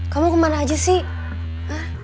kamu kemana aja sih